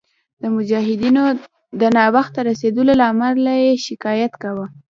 د مجاهدینو د ناوخته رسېدلو له امله یې شکایت کاوه.